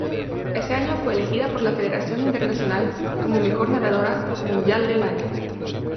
Ese año fue elegida por la Federación Internacional como mejor nadadora mundial del año.